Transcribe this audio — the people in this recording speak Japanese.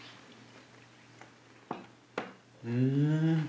うん。